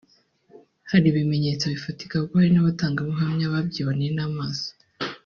Hari ibimenyetso bifatika kuko hari n’abatangabuhamya babyiboneye n’amaso